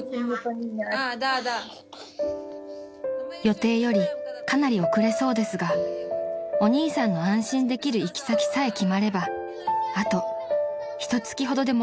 ［予定よりかなり遅れそうですがお兄さんの安心できる行き先さえ決まればあとひとつきほどで戻れそうです］